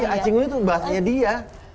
acinguing itu bahasanya dia